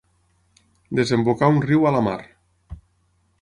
Desembocar un riu a la mar.